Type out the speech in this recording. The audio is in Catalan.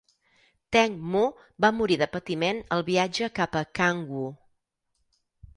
Teng Mu va morir de patiment al viatge cap a Cangwu.